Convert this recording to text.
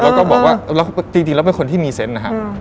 แล้วก็บอกว่าจริงแล้วเป็นคนที่มีเซนต์นะครับ